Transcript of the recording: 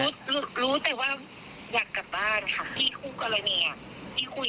รู้แต่ว่าอยากกลับบ้านค่ะที่คู่กรณีที่คุยกันเขาไม่ควรส่งคลิปให้